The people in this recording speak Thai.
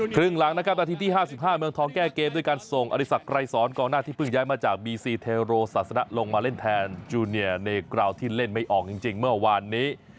ครึ่งหลังนะครับนาทีที่๕๕เมืองทองแก้เกมด้วยการส่งอริสักไกรสอนกองหน้าที่เพิ่งย้ายมาจากบีซีเทโรศาสนะลงมาเล่นแทนจูเนียในกราวที่เล่นไม่ออกจริงเมื่อวานนี้